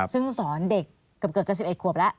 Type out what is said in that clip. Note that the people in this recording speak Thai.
ซึ่งสอนเด็กเกือบจะ๑๑ขวบแล้ว